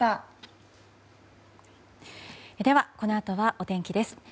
では、このあとはお天気です。